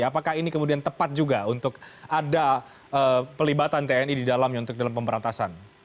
apakah ini kemudian tepat juga untuk ada pelibatan tni di dalamnya untuk dalam pemberantasan